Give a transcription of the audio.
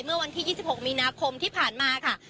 เมื่อวันที่๒๖มีนาคมที่ผ่านมาค่ะ